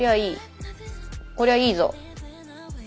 こりゃいいぞ！